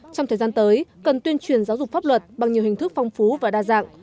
trong thời gian tới cần tuyên truyền giáo dục pháp luật bằng nhiều hình thức phong phú và đa dạng